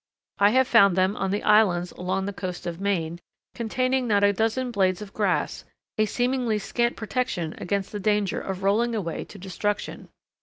I have found them on the islands along the coast of Maine containing not a dozen blades of grass, a seemingly scant protection against the danger of rolling away to destruction.